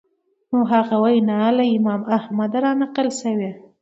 نو هغه وینا له امام احمد رانقل شوې